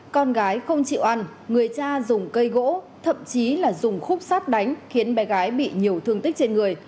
con gái không chịu ăn người cha dùng cây gỗ thậm chí là dùng khúc sát đánh khiến bé gái bị nhiều thương tích trên người